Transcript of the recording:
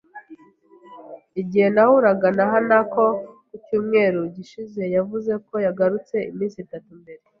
Igihe nahuraga na Hanako ku cyumweru gishize, yavuze ko yagarutse iminsi itatu mbere.